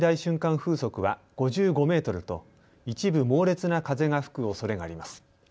風速は５５メートルと一部、猛烈な風が吹くおそれがあります。